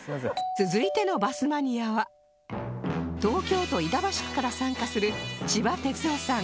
続いてのバスマニアは東京都板橋区から参加する千葉哲夫さん